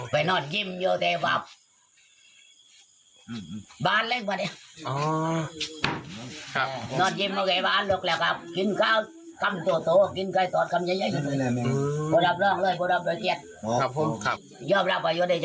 ไปนอนอิ่มอยู่ที่บ้านแห่งหนึ่งบ้านเล็กมาเลย